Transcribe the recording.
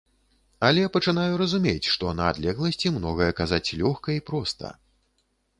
Але пачынаю разумець, што на адлегласці многае казаць лёгка і проста.